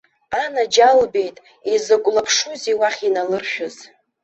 Анаџьалбеит, изакә лаԥшузеи уахь иналыршәыз!